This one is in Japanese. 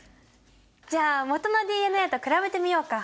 じゃあもとのＤＮＡと比べてみようか。